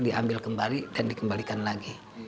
diambil kembali dan dikembalikan lagi